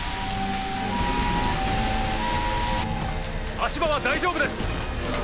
足場は大丈夫です。